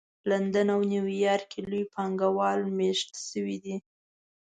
لندن او نیویارک کې لوی پانګه وال مېشت شوي دي